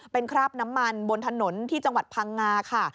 เป็นคราบน้ำมันบนถนนที่จังหวัดพังงาค่ะ